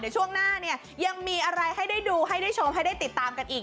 เดี๋ยวช่วงหน้าเนี่ยยังมีอะไรให้ได้ดูให้ได้ชมให้ได้ติดตามกันอีก